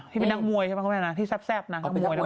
ที่เป็นนักมวยใช่ไหมที่แซ่บแซ่บน่ะเอาไปทำงรอน้องมวย